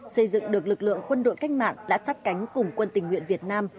xây dựng được lực lượng quân đội cách mạng đã sát cánh cùng quân tình nguyện việt nam